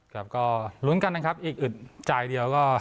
ครับก็ลุ้นกันนะครับอีกอึดจ่ายเดียวก็